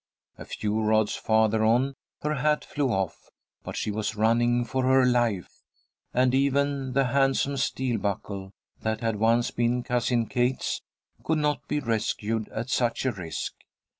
A few rods farther on her hat flew off, but she was running for her life, and even the handsome steel buckle that had once been Cousin Kate's could not be rescued at such a risk.